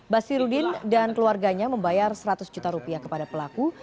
basirudin dan keluarganya membayar seratus juta rupiah kepada pelaku